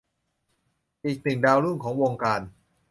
อีกหนึ่งดาวรุ่งของวงการ